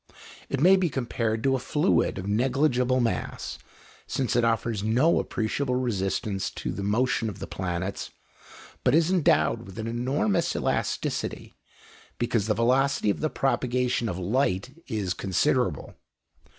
It may be compared to a fluid of negligible mass since it offers no appreciable resistance to the motion of the planets but is endowed with an enormous elasticity, because the velocity of the propagation of light is considerable.